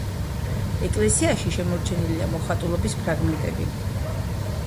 ეკლესიაში შემორჩენილია მოხატულობის ფრაგმენტები.